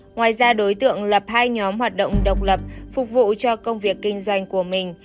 ngoài ra đối tượng lập hai nhóm hoạt động độc lập phục vụ cho công việc kinh doanh của mình